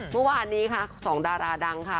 เมื่อวานนี้ค่ะสองดาราดังค่ะ